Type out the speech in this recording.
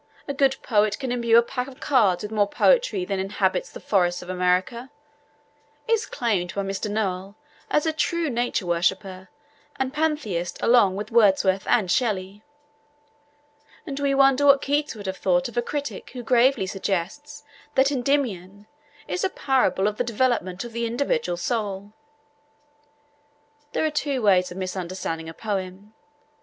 A good poet can imbue a pack of cards with more poetry than inhabits the forests of America,' is claimed by Mr. Noel as a true nature worshipper and Pantheist along with Wordsworth and Shelley; and we wonder what Keats would have thought of a critic who gravely suggests that Endymion is 'a parable of the development of the individual soul.' There are two ways of misunderstanding a poem.